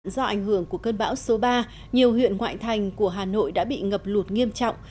do ảnh hưởng của cơn bão số ba nhiều huyện ngoại thành của hà nội đã bị ngập lụt nghiêm trọng